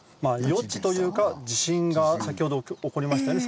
予知というか地震が先ほど起こりましたよね